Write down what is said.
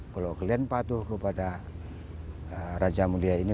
kalau kalian patuh kepada raja mulia ini